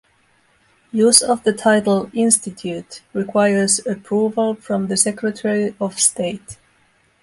Use of the title "institute" requires approval from the Secretary of State.